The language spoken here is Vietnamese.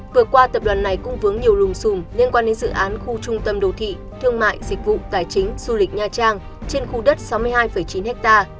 vừa qua tập đoàn này cũng vướng nhiều lùm xùm liên quan đến dự án khu trung tâm đồ thị thương mại dịch vụ tài chính du lịch nha trang trên khu đất sáu mươi hai chín ha